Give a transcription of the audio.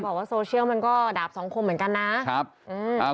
บอกว่าโซเชียลมันก็ดาบสมคมเหมือนกันนะ